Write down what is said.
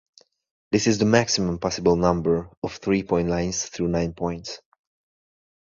This is the maximum possible number of three-point lines through nine points.